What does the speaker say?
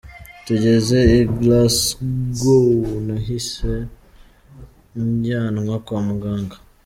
Tugeze i Glas¬gow nahise njyanwa kwa muganga.